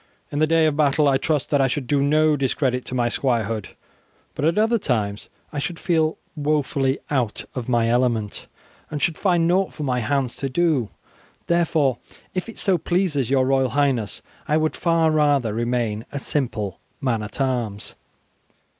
In the day of battle I trust that I should do no discredit to my squirehood, but at other times I should feel woefully out of my element, and should find nought for my hands to do, therefore if it so pleases your Royal Highness, I would far rather remain a simple man at arms."